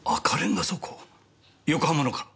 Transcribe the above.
横浜のか？